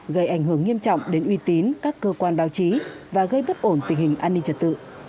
gây ảnh hưởng nghiêm trọng đến uy tín các cơ quan báo chí và gây bất ổn tình hình an ninh trật tự